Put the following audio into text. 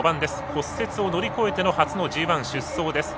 骨折を乗り越えての初のＧＩ出走です。